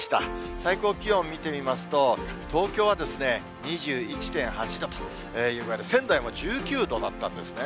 最高気温見てみますと、東京は２１．８度という具合で、仙台も１９度だったんですね。